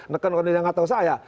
nekan orang yang tidak tahu saya